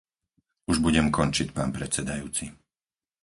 Už budem končiť, pán predsedajúci.